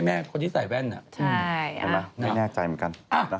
แม่คนที่ใส่แว่นไม่แน่ใจเหมือนกัน